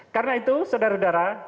karena itu saudara saudara